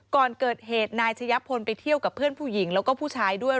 ก่อนเกิดเหตุนายชะยะพลไปเที่ยวกับเพื่อนผู้หญิงแล้วก็ผู้ชายด้วย